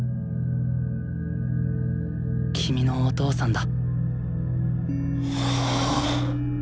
君のお父さんだ。